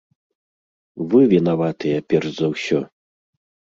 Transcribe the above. Вы вінаватыя, перш за ўсё!